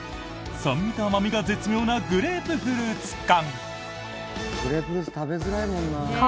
酸味と甘味が絶妙なグレープフルーツ缶。